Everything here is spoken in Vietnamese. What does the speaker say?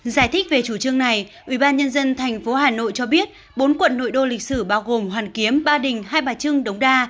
giải thích về chủ trương này ủy ban nhân dân thành phố hà nội cho biết bốn quận nội đô lịch sử bao gồm hoàn kiếm ba đình hai bà trưng đống đa